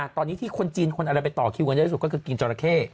เนิ่ยตอนนี้ที่คนจีนคนอะไรไปต่อคิวกันอย่างเด็ดอยากยกกินจ่อละเข้